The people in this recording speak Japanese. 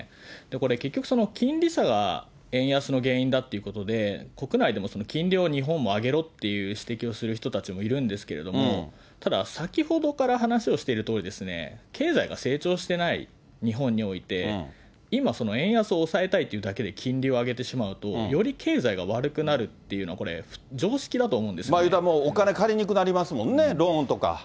これ、結局その金利差が円安の原因だっていうことで、国内でも金利を日本も上げろっていう指摘をする人たちもいるんですけれども、ただ、先ほどから話をしているとおり、経済が成長してない日本において、今、円安を抑えたいってだけで金利を上げてしまうと、より経済が悪くなるっていうのは、これ、言うたら、お金借りにくくなりますもんね、ローンとか。